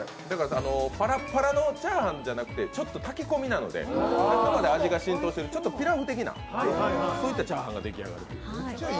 パラパラのチャーハンじゃなくてちょっと炊き込みなので味が浸透しているちょっとピラフ的なチャーハンが出来上がるという。